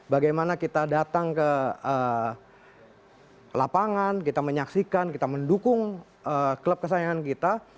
bagaimana kita datang ke lapangan kita menyaksikan kita mendukung klub kesayangan kita